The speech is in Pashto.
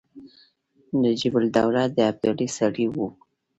نجیب الدوله د ابدالي سړی وو.